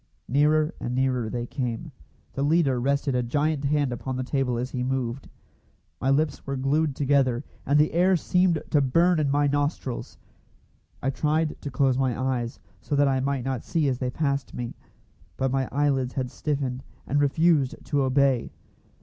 Nearer and nearer they came. The leader rested a giant hand upon the table as he moved. My lips were glued together, and the air seemed to burn in my nostrils. I tried to close my eyes, so that I might not see as they passed me; but my eyelids had stiffened, and refused to obey.